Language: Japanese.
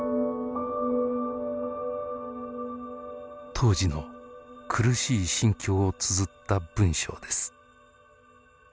当時の苦しい心境をつづった文章です。